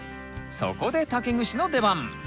そこで竹串の出番！